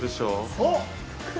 そう。